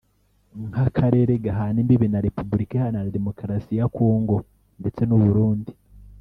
nk’akarere gahana imbibi na Repubulika Iharanira Demokarasi ya Congo ndetse n’u Burundi